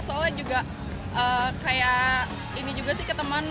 soalnya juga kayak ini juga sih ke teman